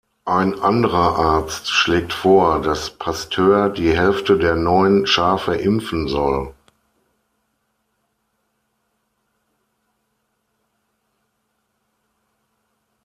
Ein anderer Arzt schlägt vor, dass Pasteur die Hälfte der neuen Schafe impfen soll.